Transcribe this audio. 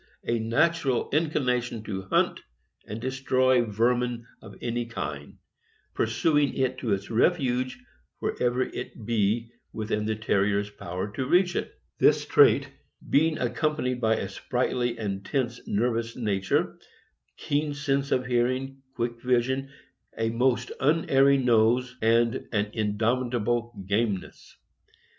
a natural inclination to hunt and destroy vermin of any kind, pursuing it to its refuge wherever it be within the Terrier's power to reach it; this trait b%eing accompanied by a sprightly and tense nervous nature, keen sense of hearing, quick vision, a most unerring nose, and an indom itable gameness.